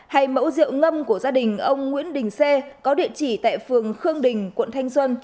hay mẫu rượu ngâm của gia đình ông nguyễn đình xê có địa chỉ tại phường khương đình quận thanh xuân